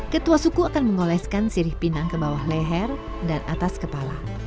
ketua suku akan mengoleskan sirih pinang ke bawah leher dan atas kepala